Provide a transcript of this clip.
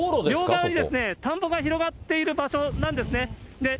両側に田んぼが広がっている場所なんですね。